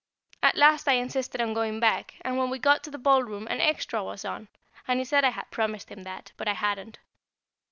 At last I insisted on going back, and when we got to the ballroom an extra was on, and he said I had promised him that, but I hadn't.